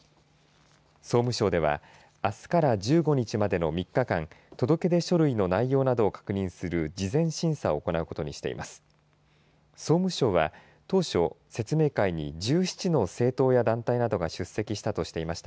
総務省ではあすから１５日までの３日間届け出書類の内容などを確認する事前審査を行うことにしています。